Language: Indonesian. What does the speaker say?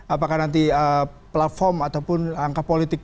apakah nanti platform ataupun angka politik